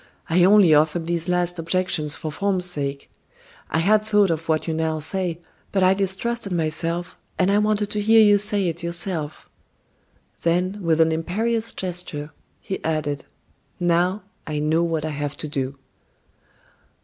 "I only offered these last objections for form's sake. I had thought of what you now say, but I distrusted myself, and I wanted to hear you say it yourself." Then with an imperious gesture, he added: "Now, I know what I have to do."